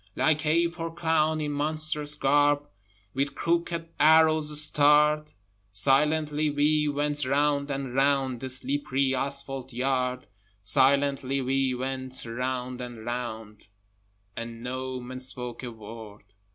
Like ape or clown, in monstrous garb With crooked arrows starred, Silently we went round and round The slippery asphalte yard; Silently we went round and round, And no man spoke a word.